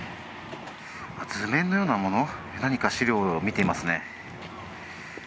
図面のようなもの、何か資料を見ていますね。